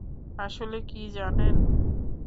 আসলে কী জানেন?